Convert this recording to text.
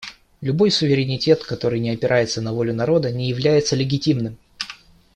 Любой суверенитет, который не опирается на волю народа, не является легитимным.